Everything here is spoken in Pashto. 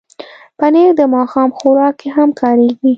پنېر د ماښام خوراک کې هم کارېږي.